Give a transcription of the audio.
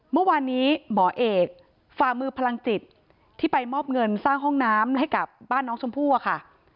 เมื่อวานนี้หมอเอกฝ่ามือพลังจิตที่ไปมอบเงินสร้างห้องน้ำให้กับบ้านน้องชมพู่อะค่ะ